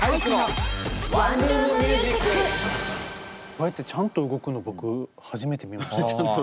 今こうやってちゃんと動くの僕初めて見ました。